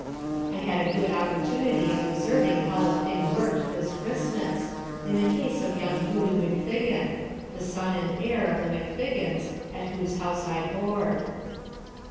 I had a good opportunity of observing how the thing worked this Christmas, in the case of young Hoodoo McFiggin, the son and heir of the McFiggins, at whose house I board.